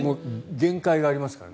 限界がありますからね。